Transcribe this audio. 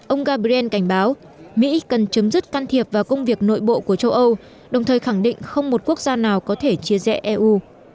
ông gabrin cảnh báo mỹ cần chấm dứt can thiệp vào công việc nội bộ của châu âu đồng thời khẳng định không một quốc gia nào có thể chia rẽ eu